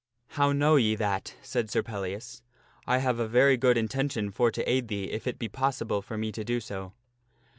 " How know ye that? " said Sir Pellias. " I have a very good intention for to aid thee if it be possible for me to do so."